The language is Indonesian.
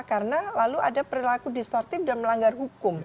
karena lalu ada perilaku distortif dan melanggar hukum